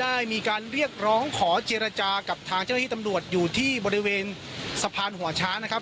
ได้มีการเรียกร้องขอเจรจากับทางเจ้าหน้าที่ตำรวจอยู่ที่บริเวณสะพานหัวช้างนะครับ